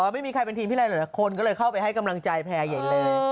ไม่มีใครเป็นทีมที่ไรเลยนะคนก็เลยเข้าไปให้กำลังใจแพร่ใหญ่เลย